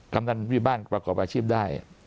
กำนันว่าบ้านเป็นประกอบอาชีพได้